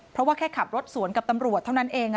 เพราะว่าแค่ขับรถสวนกับตำรวจเท่านั้นเอง